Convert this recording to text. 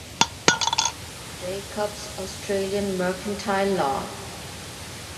Jacobs "Australian Mercantile Law".